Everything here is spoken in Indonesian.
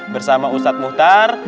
bersama ustadz muhtar